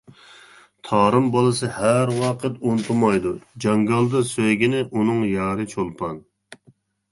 تارىم بالىسى ھەر ۋاقىت ئۇنتۇمايدۇ، جاڭگالدا سۆيگىنى, ئۇنىڭ يارى چولپان!